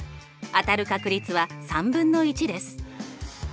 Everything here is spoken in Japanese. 当たる確率は３分の１です。